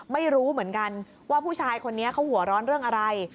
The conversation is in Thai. ไม่รู้เหมือนกันว่าผู้ชายคนนี้เขาหัวร้อนเรื่องอะไร